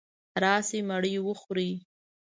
راشئ مړې وخورئ.